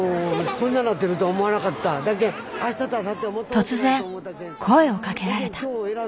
突然声をかけられた。